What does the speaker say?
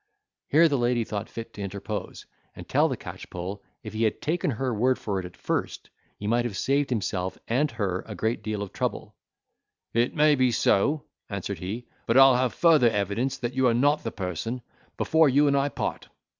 Here the lady thought fit to interpose, and tell the catchpole, if he had taken her word for it at first, he might have saved himself and her a great deal of trouble. "It may be so," answered he, "but I'll have further evidence that you are not the person, before you and I part."